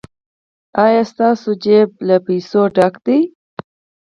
ایا ستاسو جیب له پیسو ډک دی؟